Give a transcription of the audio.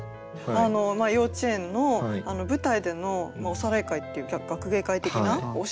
幼稚園の舞台でのおさらい会っていう学芸会的なお芝居ですよね